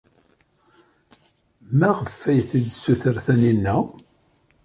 Maɣef ay tt-id-tessuter Taninna?